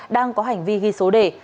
đang có hành vi ghi số đề